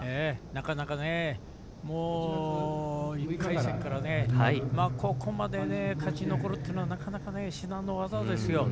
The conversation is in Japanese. なかなかもう１回戦からここまで勝ち残るっていうのはなかなか至難の業ですよ。